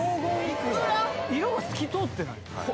・色が透き通ってない？